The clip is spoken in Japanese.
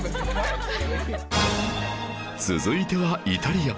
続いてはイタリア